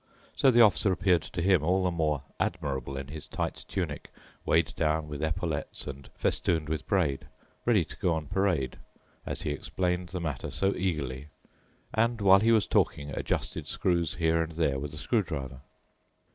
So the Officer appeared to him all the more admirable in his tight tunic weighed down with epaulettes and festooned with braid, ready to go on parade, as he explained the matter so eagerly and, while he was talking, adjusted screws here and there with a screwdriver.